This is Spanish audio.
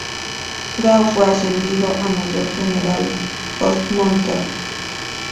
Gao fue ascendido a Mayor General postmortem.